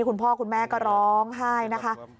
คุณพ่อคุณแม่ก็ร้องไห้นะคะ